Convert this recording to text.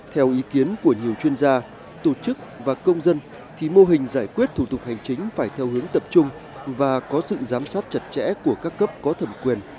theo ý kiến của nhiều chuyên gia tổ chức và công dân thì mô hình giải quyết thủ tục hành chính phải theo hướng tập trung và có sự giám sát chặt chẽ của các cấp có thẩm quyền